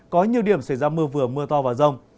có nhiều điểm xảy ra mưa vừa mưa to và rông